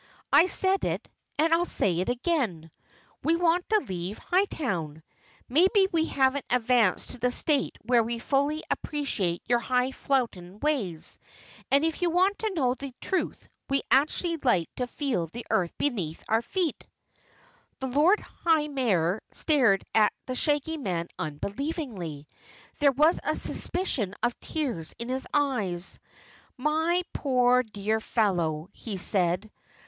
"I said it and I'll say it again we want to leave Hightown! Maybe we haven't advanced to the state where we can fully appreciate your hi falutin' ways, and if you want to know the truth we actually like to feel the earth beneath our feet." The Lord High Mayor stared at the Shaggy Man unbelievingly. There was a suspicion of tears in his eyes. "My poor, dear fellow," he said.